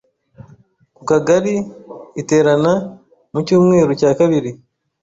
Ku Kagari iterana mu cyumweru cya kabiri;